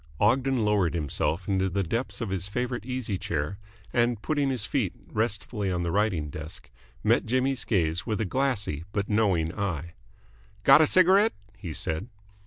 Ogden lowered himself into the depths of his favourite easy chair, and, putting his feet restfully on the writing desk, met Jimmy's gaze with a glassy but knowing eye. "Got a cigarette?" he said.